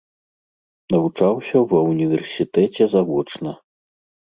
Навучаўся ва ўніверсітэце завочна.